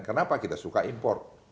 kenapa kita suka import